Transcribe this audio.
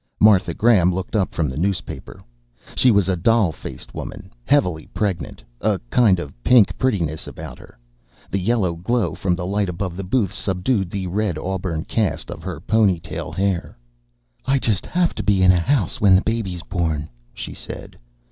Martha Graham looked up from the newspaper. She was a doll faced woman, heavily pregnant, a kind of pink prettiness about her. The yellow glow from the light above the booth subdued the red auburn cast of her ponytail hair. "I just have to be in a house when the baby's born," she said.